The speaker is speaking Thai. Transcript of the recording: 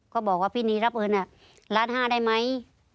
ก็บอกว่าพี่นีรับเงินล้านห้าได้ไหม